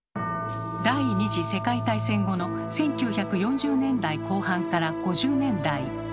第２次世界大戦後の１９４０年代後半から５０年代。